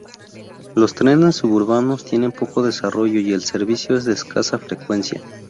Los trenes suburbanos tienen poco desarrollo y el servicio es de escasa frecuencia.